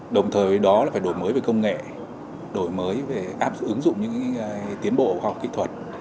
đồng thời với đó là phải đổi mới về công nghệ đổi mới về áp ứng dụng những cái tiến bộ hoặc kỹ thuật